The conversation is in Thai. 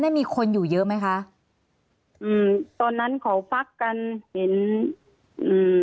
มีคนอยู่เยอะไหมคะอืมตอนนั้นเขาฟักกันเห็นอืม